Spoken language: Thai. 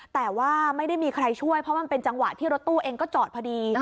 แต่ว่าไม่ได้มีใครช่วยเพราะมันเป็นจังหวะที่รถตู้เองก็จอดพอดี